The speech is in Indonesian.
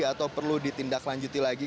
atau perlu ditindak lanjuti lagi